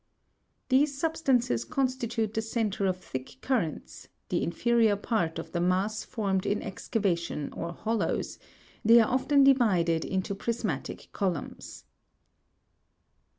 These substances constitute the centre of thick currents, the in ferior part of the mass formed in excavations or hollows ; they are often divided into prismatic columns.